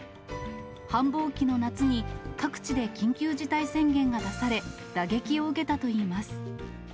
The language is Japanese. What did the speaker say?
繁忙期の夏に、各地で緊急事態宣言が出され、打撃を受けたといいます。